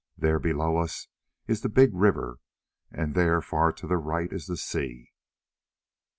There below us is the big river, and there far to the right is the sea."